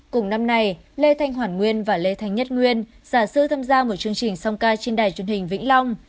cùng năm nay lê thanh hoàn nguyên và lê thanh nhất nguyên giả sư tham gia một chương trình song ca trên đài truyền hình vĩnh long